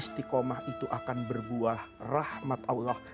istiqomah itu akan berbuah rahmat allah